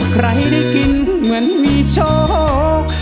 ใครได้กินเหมือนมีโชค